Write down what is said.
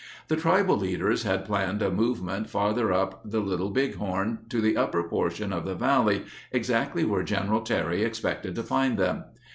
The tribal leaders had planned a movement far ther up the Little Bighorn, to the upper portion of the valley (exactly where General Terry expected to find them).